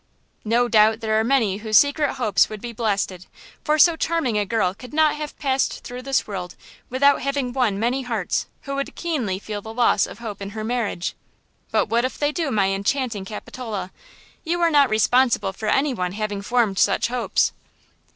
"No doubt there are many whose secret hopes would be blasted, for so charming a girl could not have passed through this world without having won many hearts who would keenly feel the loss of hope in her marriage. But what if they do, my enchanting Capitola? You are not responsible for any one having formed such hopes."